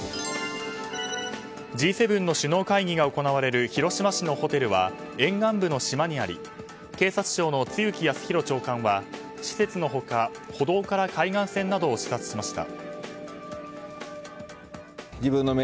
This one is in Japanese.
Ｇ７の首脳会議が行われる広島市のホテルは沿岸部の島にあり警察庁の露木康浩長官は施設の他、歩道から海岸線などを視察しました。